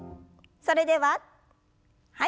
それでははい。